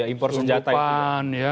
impor senjata itu